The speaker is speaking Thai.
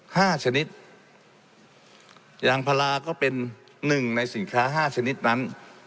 ชนิดยางพลาก็เป็นหนึ่งในสินค้าห้าชนิดนั้น